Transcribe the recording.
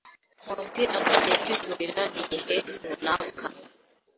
Nkusi akeneye kwigurira igihe runaka.